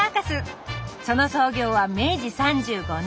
その創業は明治３５年。